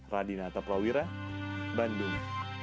radinata prawira bandung